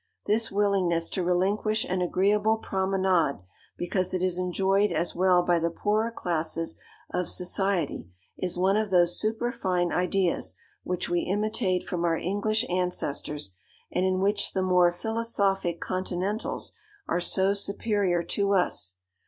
This willingness to relinquish an agreeable promenade because it is enjoyed as well by the poorer classes of society, is one of those superfine ideas which we imitate from our English ancestors, and in which the more philosophic continentals are so superior to us.